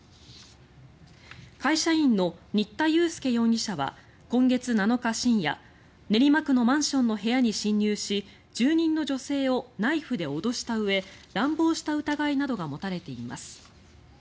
会社員の新田祐介容疑者は今月７日深夜練馬区のマンションの部屋に侵入し住人の女性をナイフで脅したうえ乱暴した疑いなどが持たれています。